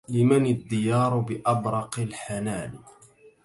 لمن الديار بأبرق الحنان